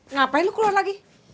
ngapain lu keluar lagi